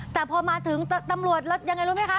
แต่พอมาถึงตำรวจแล้วยังไงรู้ไหมคะ